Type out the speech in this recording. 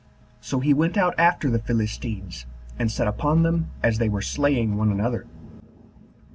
So he went out after the Philistines, and set upon them as they were slaying one another.